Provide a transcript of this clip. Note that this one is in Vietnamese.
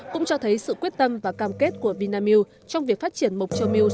cũng cho thấy sự quyết tâm và cam kết của vinamilk trong việc phát triển mộc châu milk